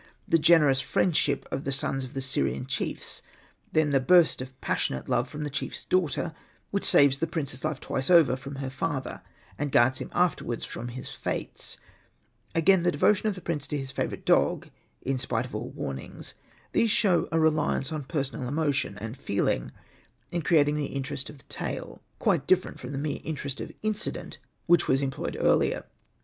The generous friendship of the sons of the Syrian chiefs ; then the burst of passionate love from the chiefs daughter, which saves the prince's life twice over from her father, and guards him after wards from his fates ; again, the devotion of the prince to his favourite dog, in spite of all warnings — these show a reliance on personal emotion and feeling in creating the interest of the tale, quite different from the mere interest of incident which was employed Hosted by Google REMARKS 33 earlier.